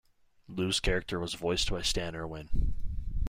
Lou's character was voiced by Stan Irwin.